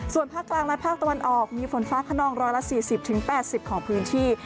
ส่วนภาคกลางและภาคตะวันออกมีฝนฟ้าขนอง๑๔๐๘๐ของพื้นที่